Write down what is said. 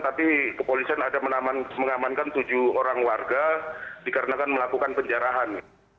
tapi kepolisian ada mengamankan tujuh orang warga dikarenakan melakukan penjarahan